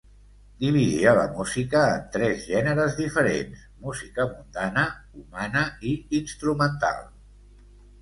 Dividia la música en tres gèneres diferents: música mundana, humana i instrumental.